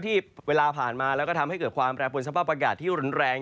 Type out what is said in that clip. ที่เวลาผ่านมาแล้วก็ทำให้เกิดความแปรปนสภาพอากาศที่รุนแรง